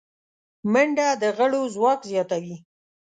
منډه د غړو ځواک زیاتوي